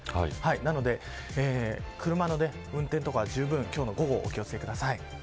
なので車の運転とか今日の午後はじゅうぶんお気を付けください。